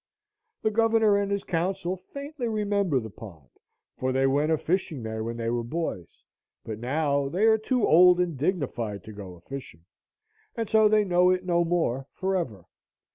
The governor and his council faintly remember the pond, for they went a fishing there when they were boys; but now they are too old and dignified to go a fishing, and so they know it no more forever.